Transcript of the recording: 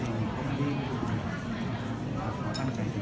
เหมือนกับเราก็จะดี